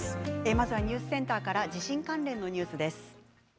まずはニュースセンターから地震関連のニュースです。